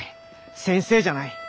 先生じゃない。